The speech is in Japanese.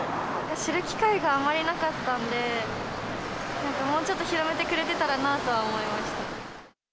知る機会があまりなかったんで、なんかもうちょっと広めてくれてたらなと思いました。